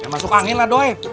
masuk angin lah doi